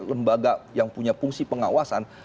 lembaga yang punya fungsi pengawasan